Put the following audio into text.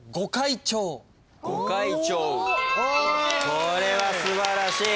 これは素晴らしい。